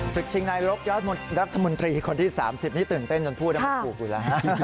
ศึกชิงในรกรัฐมนตรีคนที่๓๐นี่ตื่นเต้นจนพูดมากกูกูแล้ว